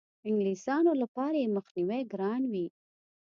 انګلیسیانو لپاره یې مخنیوی ګران وي.